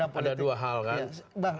dan mempunyai dua hal kan